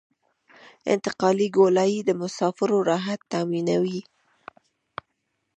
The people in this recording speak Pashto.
انتقالي ګولایي د مسافرو راحت تامینوي